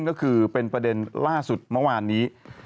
ก็คือเป็นประเด็นล่าสุดเมื่อวานนี้